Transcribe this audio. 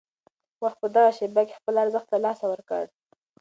وخت په دغه شېبه کې خپل ارزښت له لاسه ورکړ.